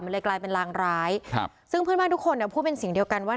มันเลยกลายเป็นรางร้ายครับซึ่งเพื่อนบ้านทุกคนเนี่ยพูดเป็นเสียงเดียวกันว่า